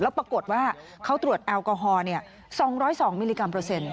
แล้วปรากฏว่าเขาตรวจแอลกอฮอล์๒๐๒มิลลิกรัมเปอร์เซ็นต